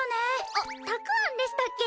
あったくあんでしたっけ？